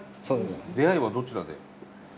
出会いはどちらで？